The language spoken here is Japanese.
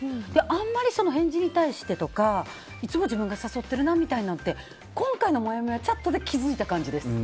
あまり返事に対してとかいつも自分が誘ってるなって今回のもやもやチャットで気づいた感じです。